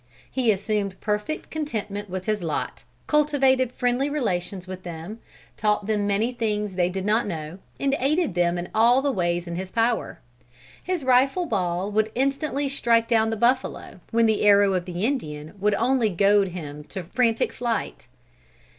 He assumed perfect contentment with his lot, cultivated friendly relations with them, taught them many things they did not know, and aided them in all the ways in his power. His rifle ball would instantly strike down the buffalo, when the arrow of the Indian would only goad him to frantic flight.